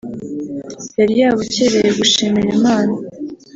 yari yabukereye gushimira Imana